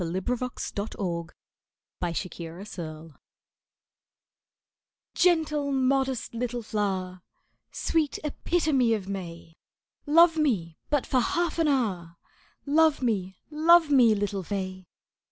S. Gilbert._ TO PH[OE]BE "Gentle, modest little flower, Sweet epitome of May, Love me but for half an hour, Love me, love me, little fay."